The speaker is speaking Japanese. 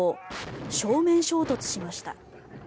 正面衝突しました。